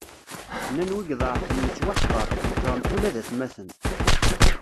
Nnan wi iḍeεfen yettweḥqer, nekkren-t ula d atmaten.